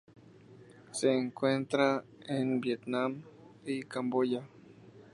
Se encuentra en Vietnam y Camboya.